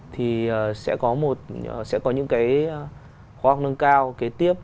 thì sẽ có những cái khóa học nâng cao kế tiếp